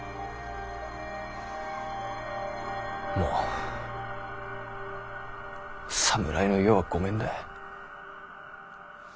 もう侍の世はごめんだ。